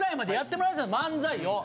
漫才を。